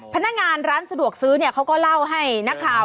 พนักงานร้านสะดวกซื้อเนี่ยเขาก็เล่าให้นักข่าว